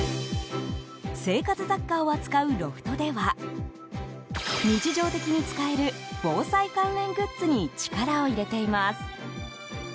生活雑貨を扱うロフトでは日常的に使える防災関連グッズに力を入れています。